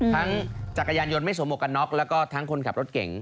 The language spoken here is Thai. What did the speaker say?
จักรยานยนต์ไม่สวมหวกกันน็อกแล้วก็ทั้งคนขับรถเก่ง